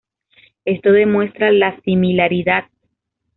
Esto demuestra la similaridad.